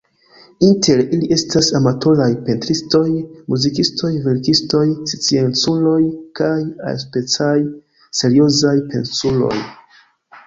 Inter ili estas amatoraj pentristoj, muzikistoj, verkistoj, scienculoj kaj alispecaj seriozaj pensuloj.